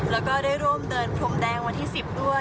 แล้วก็ได้ร่วมเดินพรมแดงวันที่๑๐ด้วย